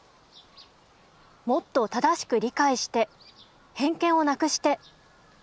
もっと正しく理解して偏見をなくして！